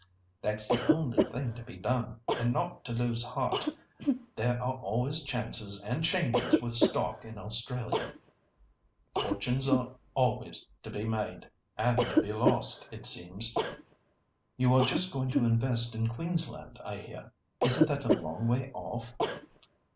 "That's the only thing to be done, and not to lose heart. There are always chances and changes with stock in Australia. Fortunes are always to be made." "And to be lost, it seems. You are just going to invest in Queensland, I hear. Isn't that a long way off?"